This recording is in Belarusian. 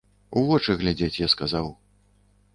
У вочы глядзець, я сказаў.